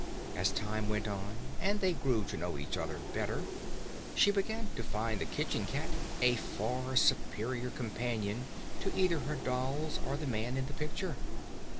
As time went on, and they grew to know each other better, she began to find the kitchen cat a far superior companion to either her dolls or the man in the picture.